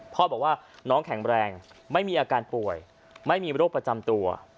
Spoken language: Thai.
พ่อบอกว่าน้องแข็งแรงไม่มีอาการป่วยไม่มีโรคประจำตัว